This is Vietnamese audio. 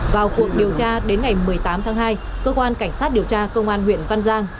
vào cuộc điều tra đến ngày một mươi tám tháng hai cơ quan cảnh sát điều tra công an huyện văn giang